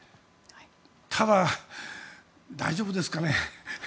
ただ、大丈夫ですかね。